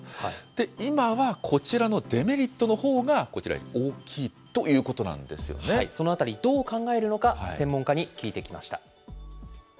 今はこちらのデメリットのほうが、こちら、大きいということなんでそのあたり、どう考えるのか、専門家に聞いてきました。